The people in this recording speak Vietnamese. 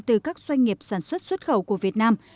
từ các doanh nghiệp sản xuất xuất khẩu của việt nam